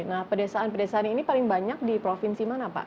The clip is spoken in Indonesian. nah pedesaan pedesaan ini paling banyak di provinsi mana pak